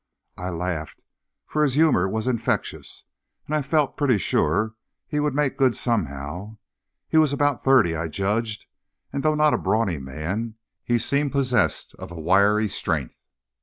I laughed, for his humor was infectious, and I felt pretty sure he would make good somehow. He was about thirty, I judged, and though not a brawny man, he seemed possessed of a wiry strength.